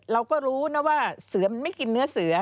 เราก็รู้นะว่าเสือมันไม่กินเนื้อเสือ